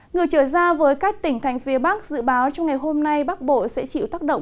ngược trở ra với các tỉnh thành phía bắc dự báo trong ngày hôm nay bắc bộ sẽ chịu tác động